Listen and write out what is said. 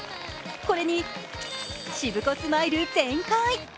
これにしぶこスマイル全開。